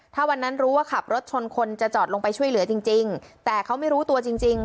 ถ้าวันนั้นรู้ว่าขับรถชนคนจะจอดลงไปช่วยเหลือจริงจริงแต่เขาไม่รู้ตัวจริงจริง